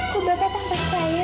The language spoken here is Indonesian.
kok bapak tak tahu saya